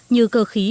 như cơ khí